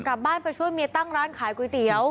กลับบ้านไปช่วยเมียตั้งร้านขายก๋วยเตี๋ยว